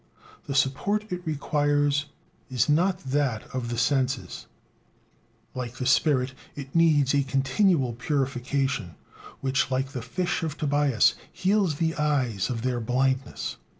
The support it requires is not that of the senses. Like the spirit, it needs a continual purification, which, like the fish of Tobias, heals the eyes of their blindness.